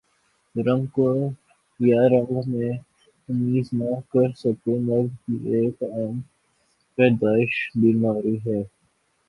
رنگ کور یا رنگ میں تمیز نہ کر سکہ مرد کی ایک عام پیدائش بیماری ہے